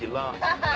ハハハ！